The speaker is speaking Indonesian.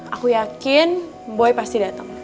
aku yakin boy pasti datang